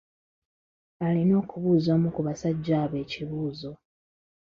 Alina okubuuza omu ku basajja abo ekibuuzo.